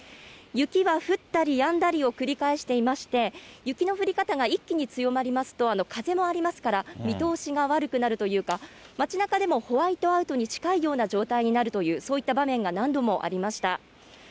雪は降ったりやんだりを繰り返していまして、雪の降り方が一気に強まりますと、風もありますから、見通しが悪くなるというか、街なかでもホワイトアウトに近いような状態になるという、そういった場面が何度もありました。